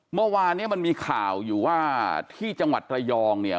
เมื่อวานเนี่ยมันมีข่าวอยู่ว่าที่จังหวัดระยองเนี่ย